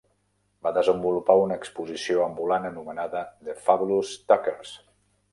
Va desenvolupar una exposició ambulant anomenada "The Fabulous Tuckers".